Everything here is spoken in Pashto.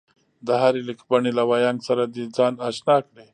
د هرې لیکبڼې له وينګ سره دې ځان اشنا کړي